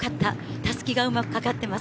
たすきがうまくかかっています。